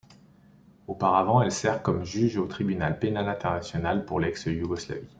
Auparavant, elle sert comme juge au Tribunal pénal international pour l'ex-Yougoslavie.